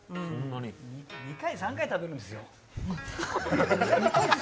２回、３回、食べるんですよ。